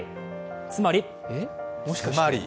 つまり？